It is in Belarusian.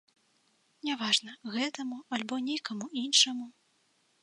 Няважна, гэтаму, альбо нейкаму іншаму.